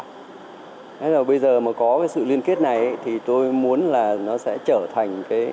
bây giờ mà có cái sự liên kết này thì tôi muốn là nó sẽ trở thành